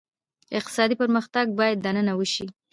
اقتصادي پرمختګ باید دننه وشي.